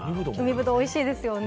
おいしいですよね。